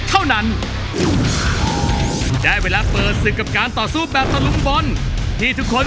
เกาะใจสุขาวดีค่ะ